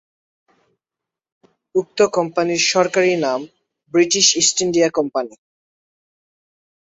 উক্ত কোম্পানির সরকারি নাম "ব্রিটিশ ইস্ট ইন্ডিয়া কোম্পানি"।